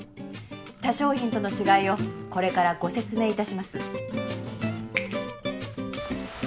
他商品との違いをこれからご説明いたします。